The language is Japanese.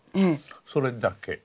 それだけ。